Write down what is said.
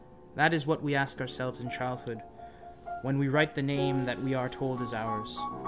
That is what we ask ourselves in childhood when we write the name that we are told is ours.